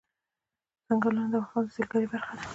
ځنګلونه د افغانستان د سیلګرۍ برخه ده.